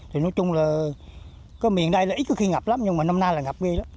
thì nói chung là cái miền đây là ít có khi ngập lắm nhưng mà năm nay là ngập ghê lắm